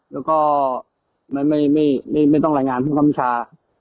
และไม่ต้องรายงานผู้คัมชา